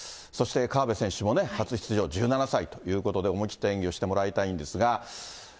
そして河辺選手もね、初出場１７歳ということ、思い切った演技をしてもらいたいんですが。